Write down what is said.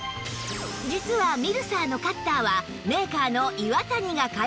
実はミルサーのカッターはメーカーのイワタニが開発